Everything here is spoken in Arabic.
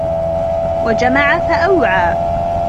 وَجَمَعَ فَأَوعى